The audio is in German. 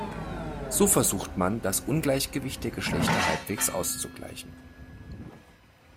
So versucht man, das Ungleichgewicht der Geschlechter halbwegs auszugleichen.